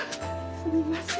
すみません。